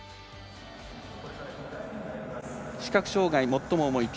視覚障がい最も重いＴ